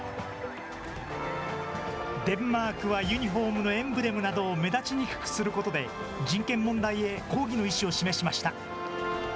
デンマークはユニホームのエンブレムなどを目立ちにくくすることで、人権問題へ抗議の意志を示しました。